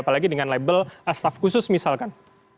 apalagi dengan label staff khusus misalkan